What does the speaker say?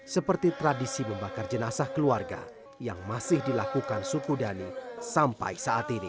seperti tradisi membakar jenazah keluarga yang masih dilakukan suku dhani sampai saat ini